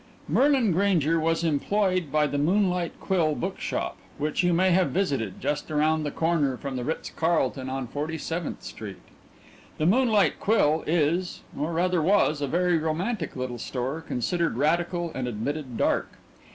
Merlin Grainger was employed by the Moonlight Quill Bookshop, which you may have visited, just around the corner from the Ritz Carlton on Forty seventh Street. The Moonlight Quill is, or rather was, a very romantic little store, considered radical and admitted dark.